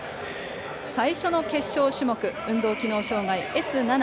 最初の決勝種目運動機能障がいＳ７